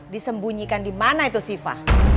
disembunyikan dimana itu siva